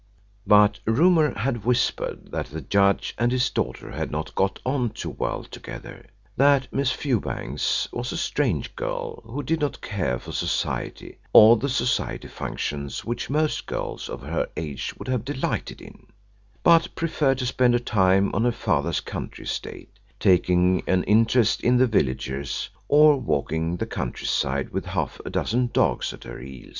But rumour had whispered that the judge and his daughter had not got on too well together that Miss Fewbanks was a strange girl who did not care for Society or the Society functions which most girls of her age would have delighted in, but preferred to spend her time on her father's country estate, taking an interest in the villagers or walking the country side with half a dozen dogs at her heels.